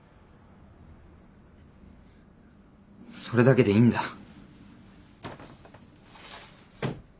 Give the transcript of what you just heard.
それだけでいいんだ。